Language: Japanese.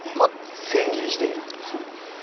千切りしている。